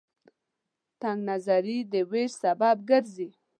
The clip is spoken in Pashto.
تنگ نظرۍ د وېش سبب ګرځي.